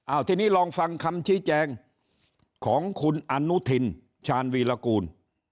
เอาทีนี้ลองฟังคำชี้แจงของคุณอนุทินชาญวีรกูล